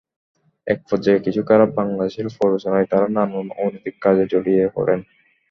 একপর্যায়ে কিছু খারাপ বাংলাদেশির প্ররোচনায় তাঁরা নানা অনৈতিক কাজে জড়িয়ে পড়েন।